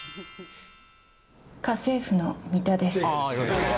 家政婦のミタです。